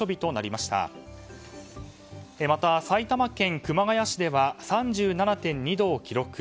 また埼玉県熊谷市では３７．２度を記録。